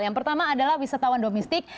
yang pertama adalah wisatawan domestik